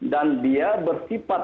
dan dia bersifat